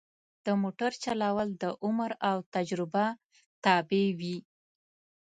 د موټر چلول د عمر او تجربه تابع وي.